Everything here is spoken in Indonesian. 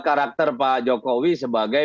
karakter pak jokowi sebagai